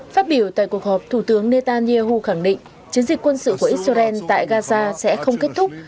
phát biểu tại cuộc họp thủ tướng netanyahu khẳng định chiến dịch quân sự của israel tại gaza sẽ không kết thúc